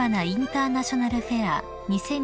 インターナショナルフェア